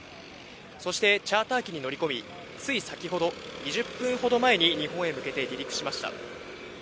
そして、チャーター機に乗り込み、つい先ほど、２０分ほど前に日本へ向けて離陸しました。